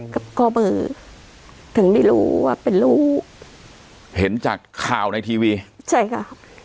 กับข้อมือถึงได้รู้ว่าเป็นรู้เห็นจากข่าวในทีวีใช่ค่ะ